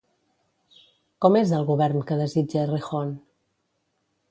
Com és el govern que desitja Errejón?